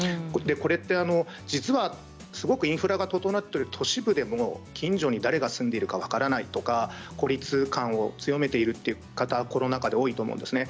これは、実はすごくインフラが整っている都市部でも近所に誰が住んでいるか分からないとか孤立感を強めている方コロナ禍で多いと思うんですね。